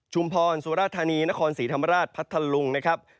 พรสุราธานีนครศรีธรรมราชพัทธลุงนะครับ